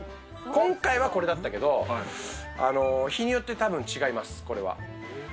今回はこれだったけど日によって多分違います、これは。